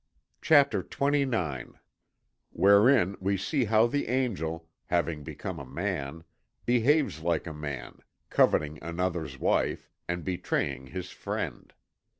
CHAPTER XXIX WHEREIN WE SEE HOW THE ANGEL, HAVING BECOME A MAN, BEHAVES LIKE A MAN, COVETING ANOTHER'S WIFE AND BETRAYING HIS FRIEND.